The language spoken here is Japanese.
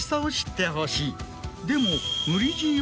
でも。